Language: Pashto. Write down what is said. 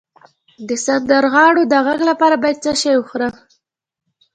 د سندرغاړو د غږ لپاره باید څه شی وخورم؟